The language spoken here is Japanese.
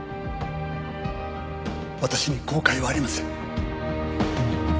私に後悔はありません。